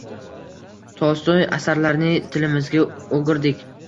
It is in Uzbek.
Tolstoy asarlarini tilimizga o’girdik.